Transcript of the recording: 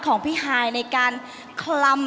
ของพี่ฮายในการคลำ